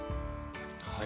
はい。